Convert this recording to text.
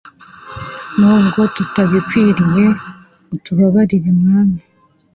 Nubwo tutabikwiriye utubababari mwami